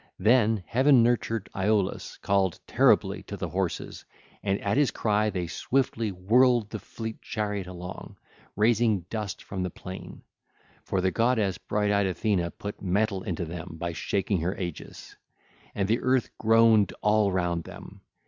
Then heaven nurtured Iolaus called terribly to the horses, and at his cry they swiftly whirled the fleet chariot along, raising dust from the plain; for the goddess bright eyed Athene put mettle into them by shaking her aegis. And the earth groaned all round them.